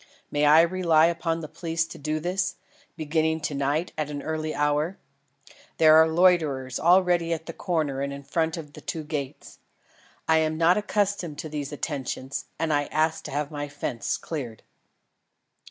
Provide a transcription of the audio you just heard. May I rely upon the police to do this, beginning to night at an early hour? There are loiterers already at the corner and in front of the two gates. I am not accustomed to these attentions, and ask to have my fence cleared."